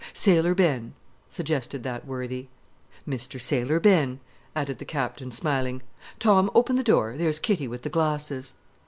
"Sailor Ben," suggested that worthy. "Mr. Sailor Ben," added the Captain, smiling. "Tom, open the door, there's Kitty with the glasses."